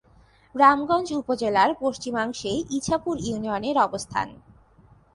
রামগঞ্জ উপজেলার পশ্চিমাংশে ইছাপুর ইউনিয়নের অবস্থান।